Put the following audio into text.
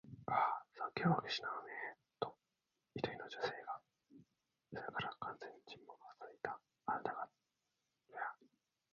「ああ、測量技師なのね」と、一人の女の声がいい、それから完全な沈黙がつづいた。「あなたがたは私をご存じなんですね？」と、Ｋ はたずねた。